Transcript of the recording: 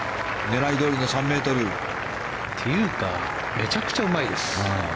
狙いどおりの３ｍ。というかめちゃくちゃうまいです。